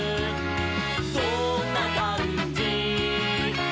どんなかんじ？」